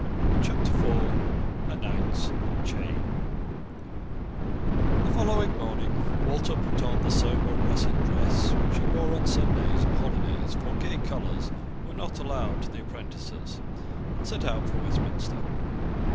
CHAPTER IV: A KNIGHT'S CHAIN The following morning Walter put on the sober russet dress which he wore on Sundays and holidays, for gay colours were not allowed to the apprentices, and set out for Westminster.